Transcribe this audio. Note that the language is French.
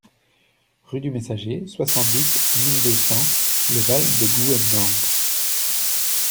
Rue du Messager, soixante-dix mille deux cents Le Val-de-Gouhenans